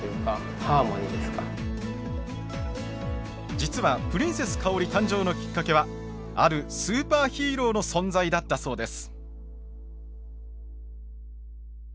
実はプリンセスかおり誕生のきっかけはあるスーパーヒーローの存在だったそうです。